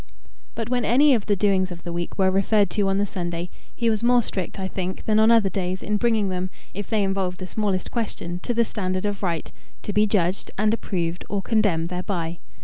But when any of the doings of the week were referred to on the Sunday, he was more strict, I think, than on other days, in bringing them, if they involved the smallest question, to the standard of right, to be judged, and approved or condemned thereby.